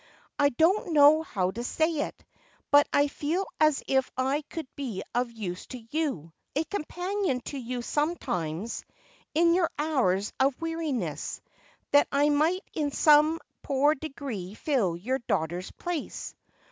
I don't know how to say it, but I feel as if I could be of use to ycu, a companion to you some times, in your hours of weariness, that I might in some poor degree rill your daughter's place.